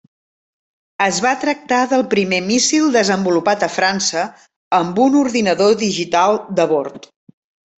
Es va tractar del primer míssil desenvolupat a França amb un ordinador digital de bord.